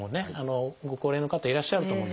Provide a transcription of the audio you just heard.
ご高齢の方いらっしゃると思うんです。